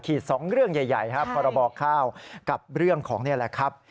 ๒เรื่องใหญ่ครับพรบข้าวกับเรื่องของนี่แหละครับ